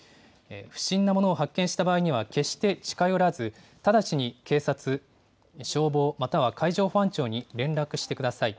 不審なものを発見した場合には、決して近寄らず、直ちに警察、消防、または海上保安庁に連絡してください。